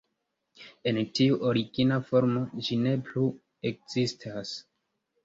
En tiu origina formo ĝi ne plu ekzistas.